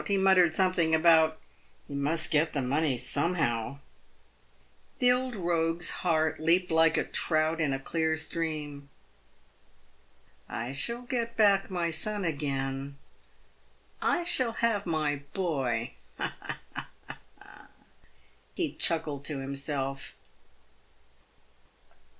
He muttered something about "he must get the money somehow." The old rogue's heart leaped like a trout in a clear stream. " I shall get back my son again ; I shall have my boy — ha ! ha !" he chuckled to himself.